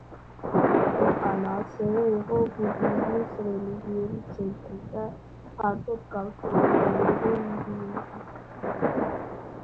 ქვეყანა ასევე იყო ბუდიზმის რელიგიური ცენტრი და ფართოდ გავრცელებული იყო ინდუიზმი.